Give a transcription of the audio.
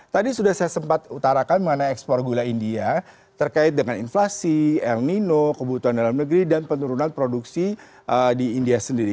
tadi sudah saya sempat utarakan mengenai ekspor gula india terkait dengan inflasi el nino kebutuhan dalam negeri dan penurunan produksi di india sendiri